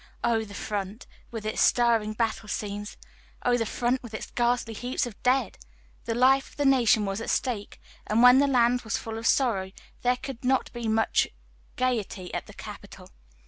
Oh, the front, with its stirring battle scenes! Oh, the front, with its ghastly heaps of dead! The life of the nation was at stake; and when the land was full of sorrow, there could not be much gayety at the capital.